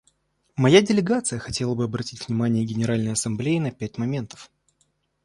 Моя делегация хотела бы обратить внимание Генеральной Ассамблеи на пять моментов.